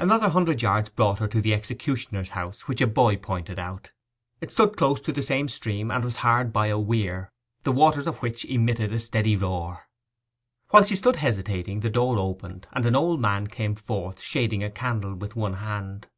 Another hundred yards brought her to the executioner's house, which a boy pointed out It stood close to the same stream, and was hard by a weir, the waters of which emitted a steady roar. While she stood hesitating the door opened, and an old man came forth shading a candle with one hand.